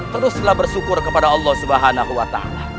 teruslah bersyukur kepada allah swt